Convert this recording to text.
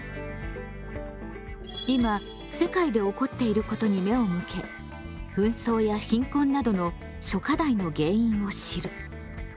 今世界で起こっていることに目を向け紛争や貧困などの諸課題の原因を知る。